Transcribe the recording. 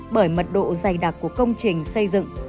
bởi mật độ dày đặc của công trình xây dựng